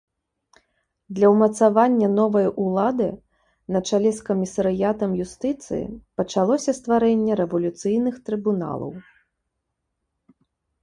Для ўмацавання новай улады на чале з камісарыятам юстыцыі пачалося стварэнне рэвалюцыйных трыбуналаў.